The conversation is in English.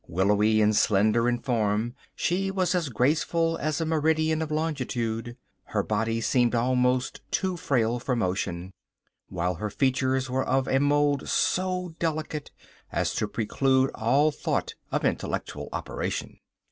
Willowy and slender in form, she was as graceful as a meridian of longitude. Her body seemed almost too frail for motion, while her features were of a mould so delicate as to preclude all thought of intellectual operation.